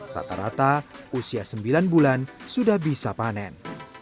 rata rata usia sembilan bulan sudah bisa panen